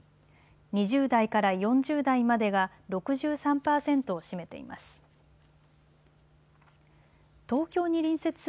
２０代から４０代までが６３％を占めています。